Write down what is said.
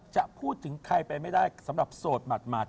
จะพูดถึงใครไปไม่ได้สำหรับโสดหมัด